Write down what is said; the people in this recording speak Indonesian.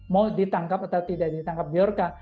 mau ditangkap atau tidak ditangkap biorca